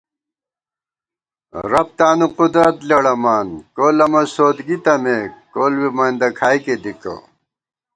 رب تانُوقدرت لېڑَمان کول امہ سوتگی تمېک کول بی مندہ کھائیکےدِکہ